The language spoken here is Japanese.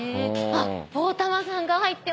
あっ！